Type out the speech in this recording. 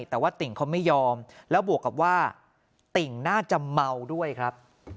แต่ว่าติ่งเขาไม่ยอมแล้วบวกกับว่าติ่งน่าจะเมาด้วยครับ